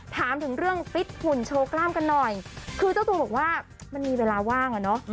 ถามถึงเรื่องฟิตหุ่นโชว์กล้ามกันหน่อยคือเจ้าตัวบอกว่ามันมีเวลาว่างอ่ะเนอะ